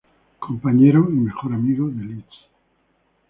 Compañero y mejor amigo de Liz.